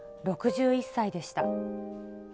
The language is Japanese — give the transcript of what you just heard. ６１歳でした。